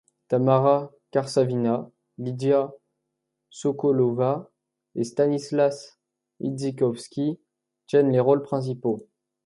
Tamara Karsavina, Lydia Sokolova et Stanislas Idzikowski tiennent les rôles principaux.